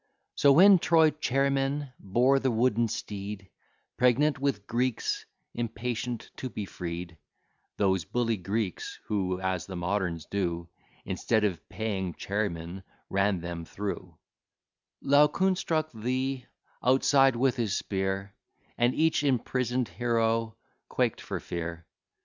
So when Troy chairmen bore the wooden steed, Pregnant with Greeks impatient to be freed, (Those bully Greeks, who, as the moderns do, Instead of paying chairmen, ran them through,) Laocoon struck the outside with his spear, And each imprison'd hero quaked for fear.